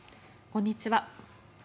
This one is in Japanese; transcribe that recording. こんにちは。